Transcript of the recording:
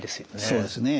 そうですね。